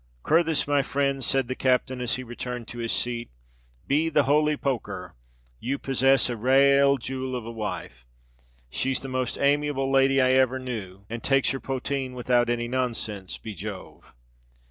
"Curthis, my frind," said the captain, as he returned to his seat, "be the holy poker r! you possess a rale jewel of a wife. She's the most amiable lady I ever knew and takes her potheen without any nonsense. Be Jove!